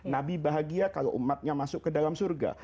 nabi bahagia kalau umatnya masuk ke dalam surga